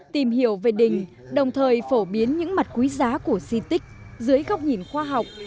tìm hiểu về đình đồng thời phổ biến những mặt quý giá của di tích dưới góc nhìn khoa học